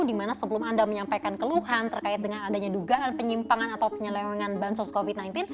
di mana sebelum anda menyampaikan keluhan terkait dengan adanya dugaan penyimpangan atau penyelewengan bantuan sosial covid sembilan belas